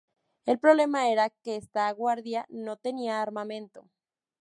El problema era que esta guardia no tenía armamento.